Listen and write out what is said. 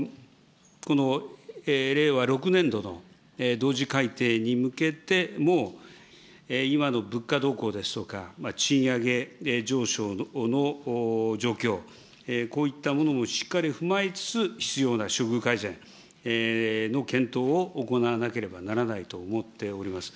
令和６年度の同時改定に向けても、今の物価動向ですとか賃上げ上昇の状況、こういったものもしっかり踏まえつつ、必要な処遇改善の検討を行わなければならないと思っております。